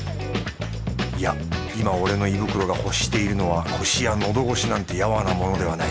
いや俺の胃袋が欲しているのはコシやのどごしなんてヤワなものではない。